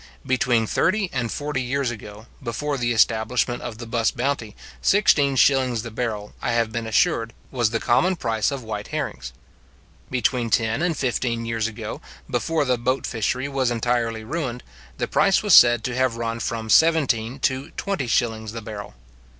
Between thirty and forty years ago, before the establishment of the buss bounty, 16s. the barrel, I have been assured, was the common price of white herrings. Between ten and fifteen years ago, before the boat fishery was entirely ruined, the price was said to have run from seventeen to twenty shillings the barrel.